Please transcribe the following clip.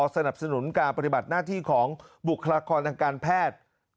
สนับสนุนการปฏิบัติหน้าที่ของบุคลากรทางการแพทย์